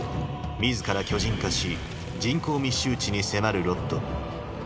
自ら巨人化し人口密集地に迫るロッド。